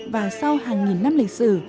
và sau hàng nghìn năm lịch sử